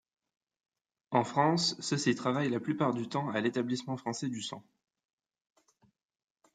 En France, ceux-ci travaillent la plupart du temps à l’Établissement Français du Sang.